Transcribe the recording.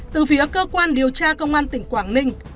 từ phía cơ quan điều tra công an tỉnh quảng ninh